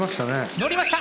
乗りました！